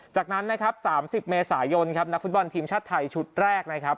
จากนั้น๓๐เมษายนนักฟุตบอลทีมชาติไทยชุดแรก